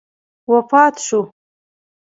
وفات شو.